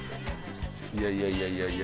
いやいやいやいや。